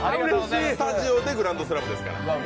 スタジオでグランドスラムですから。